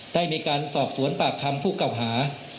ได้มีการสอบสวนปากคำผู้เก่าหา